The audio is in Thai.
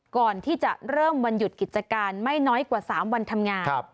ก่อนที่จะเริ่มวันหยุดกิจการไม่น้อยกว่า๓วันทำงาน